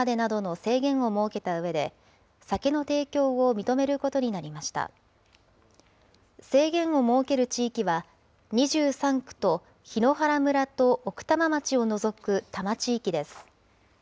制限を設ける地域は、２３区と檜原村と奥多摩町を除く多摩地域です。